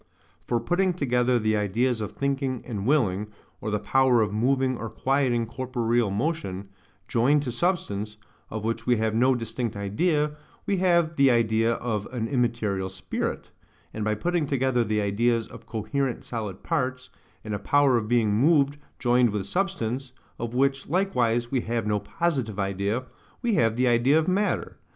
For putting together the ideas of thinking and willing, or the power of moving or quieting corporeal motion, joined to substance, of which we have no distinct idea, we have the idea of an immaterial spirit; and by putting together the ideas of coherent solid parts, and a power of being moved joined with substance, of which likewise we have no positive idea, we have the idea of matter.